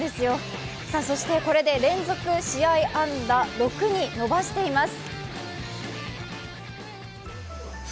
そしてこれで連続試合安打、６に伸ばしています。